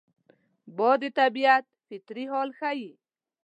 باد د طبیعت فطري حال ښيي